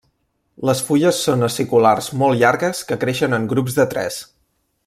Les fulles són aciculars molt llargues que creixen en grups de tres.